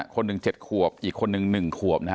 คนหนึ่ง๗ขวบอีกคนหนึ่ง๑ขวบ